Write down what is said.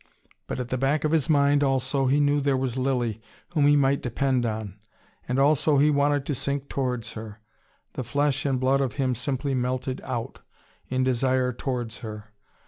But at the back of his mind, also, he knew there was Lilly, whom he might depend on. And also he wanted to sink towards her. The flesh and blood of him simply melted out, in desire towards her.